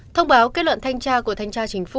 thông báo kết luận thanh tra của thanh tra chính phủ